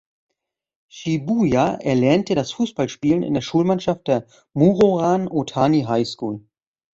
Shibuya erlernte das Fußballspielen in der Schulmannschaft der "Muroran Otani High School".